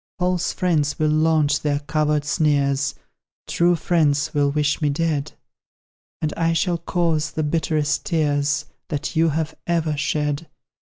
False friends will launch their covert sneers; True friends will wish me dead; And I shall cause the bitterest tears That you have ever shed.